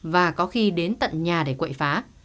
và có khi đến tận nhà để quậy phá